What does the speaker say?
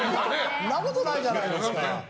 そんなことないじゃないですか。